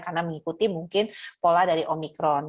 karena mengikuti mungkin pola dari omikron